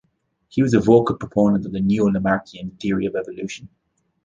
He was a vocal proponent of the Neo-Lamarckian theory of evolution.